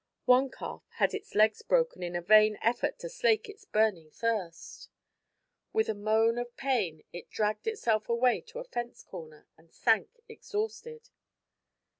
One calf had its leg broken in a vain effort to slake its burning thirst. With a moan of pain it dragged itself away to a fence corner and sank exhausted.